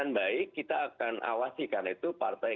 yang baik kita akan awasikan itu partai